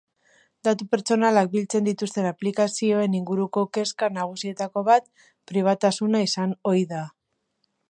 Datu pertsonalak biltzen dituzten aplikazioen inguruko kezka nagusietako bat pribatutasuna izan ohi da.